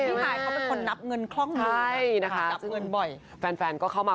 ฮายเขาเป็นคนนับเงินคล่องมือใช่นะคะนับเงินบ่อยแฟนแฟนก็เข้ามา